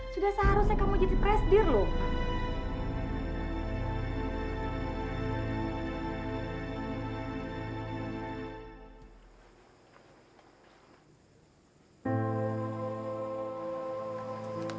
sudah seharusnya kamu jadi presidir loh